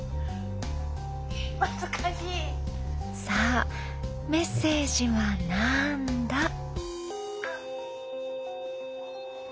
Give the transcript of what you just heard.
さあメッセージはなんだ？